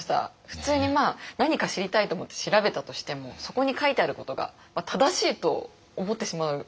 普通に何か知りたいと思って調べたとしてもそこに書いてあることが正しいと思ってしまう。